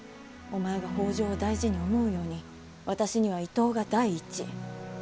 お前が北条を大事に思うように私には伊東が第一。